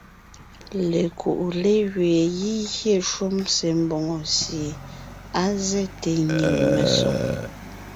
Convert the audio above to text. Lekuʼu légẅeen gígyé shúm se mbòŋo sie á zɛ́te nyìŋ mesoŋ.